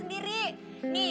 tidak babek sendiri